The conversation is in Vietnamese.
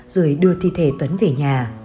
rồi đưa thi thể tuấn về nhà